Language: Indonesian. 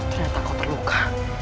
ternyata kau terluka